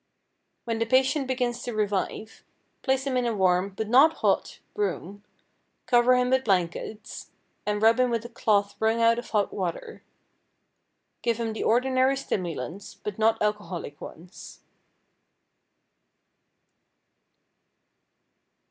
When the patient begins to revive, place him in a warm, but not a hot, room, cover him with blankets, and rub him with a cloth wrung out of hot water; give him the ordinary stimulants, but not alcoholic ones.